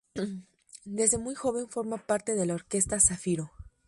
Desde muy joven forma parte de la Orquesta Zafiro.